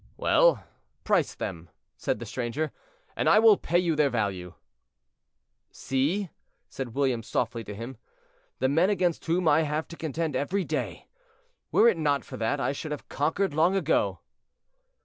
"Well, price them," said the stranger, "and I will pay you their value." "See," said William softly to him, "the men against whom I have to contend every day. Were it not for that, I should have conquered long ago."